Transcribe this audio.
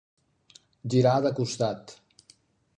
Girar de costat.